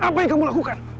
apa yang kamu lakukan